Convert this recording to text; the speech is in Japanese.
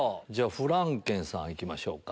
フランケンさん行きましょうか。